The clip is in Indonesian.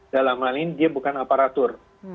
dalam hal ini dia bukan aparatur